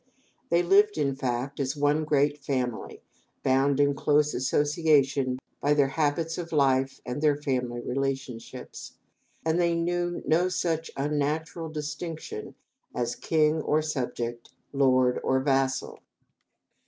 They lived, in fact, as one great family bound in close association by their habits of life and their family relationships, and they knew no such unnatural distinction as king or subject, lord or vassal.